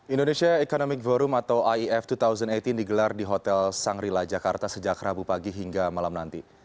indonesia economic forum atau ief dua ribu delapan belas digelar di hotel sangrila jakarta sejak rabu pagi hingga malam nanti